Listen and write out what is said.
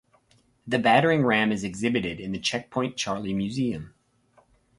The battering ram is exhibited in the Checkpoint Charlie Museum.